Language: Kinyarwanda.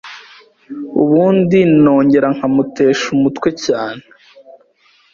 ubundi nongera nkamutesha umutwe cyane